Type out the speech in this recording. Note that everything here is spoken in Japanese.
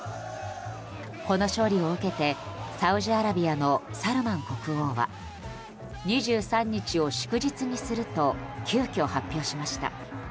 この勝利を受けてサウジアラビアのサルマン国王は２３日を祝日にすると急きょ発表しました。